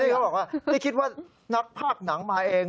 เขาบอกว่านี่คิดว่านักภาคหนังมาเอง